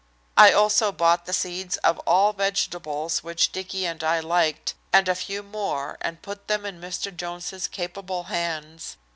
I also bought the seeds of all vegetables which Dicky and I liked, and a few more, and put them in Mr. Jones's capable hands.